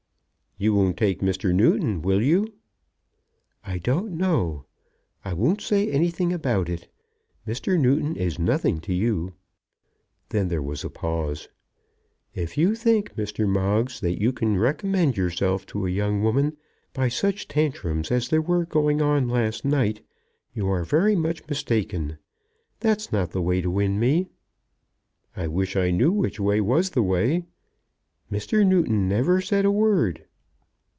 "You won't take Mr. Newton; will you?" "I don't know. I won't say anything about it. Mr. Newton is nothing to you." Then there was a pause. "If you think, Mr. Moggs, that you can recommend yourself to a young woman by such tantrums as there were going on last night, you are very much mistaken. That's not the way to win me." "I wish I knew which was the way." "Mr. Newton never said a word."